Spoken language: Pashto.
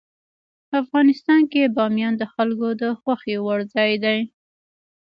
افغانستان کې بامیان د خلکو د خوښې وړ ځای دی.